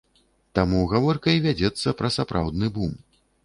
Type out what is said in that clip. Таму гаворка і вядзецца пра сапраўдны бум.